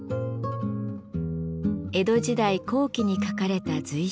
江戸時代後期に書かれた随筆。